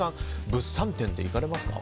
物産展って行かれますか？